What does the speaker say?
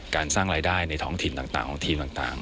การสร้างรายได้ในท้องถิ่นต่างของทีมต่าง